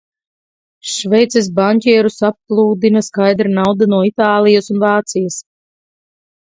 Šveices baņķierus applūdina skaidra nauda no Itālijas un Vācijas.